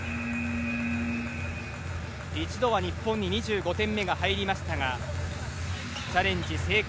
一度は日本に２５点目が入りましたがチャレンジ成功。